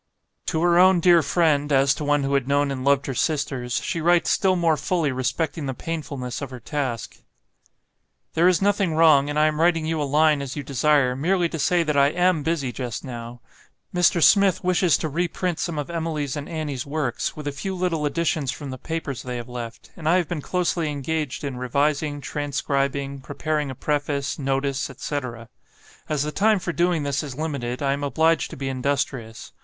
To her own dear friend, as to one who had known and loved her sisters, she writes still more fully respecting the painfulness of her task. "There is nothing wrong, and I am writing you a line as you desire, merely to say that I AM busy just now. Mr. Smith wishes to reprint some of Emily's and Annie's works, with a few little additions from the papers they have left; and I have been closely engaged in revising, transcribing, preparing a preface, notice, etc. As the time for doing this is limited, I am obliged to be industrious.